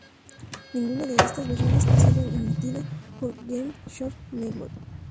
Ninguna de estas versiones ha sido emitida por Game Show Network.